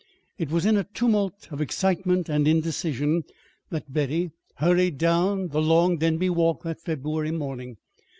It was in a tumult of excitement and indecision that Betty hurried down the long Denby walk that February morning.